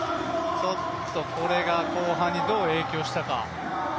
これが後半にどう影響したか。